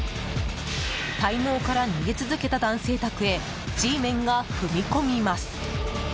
滞納から逃げ続けた男性宅へＧメンが踏み込みます。